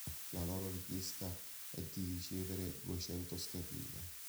La loro richiesta è di ricevere duecento sterline.